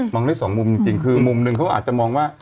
มองได้สองมุมจริงคือมุมหนึ่งเขาอาจจะมองว่า